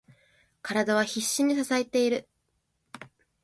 体は必死に支えている。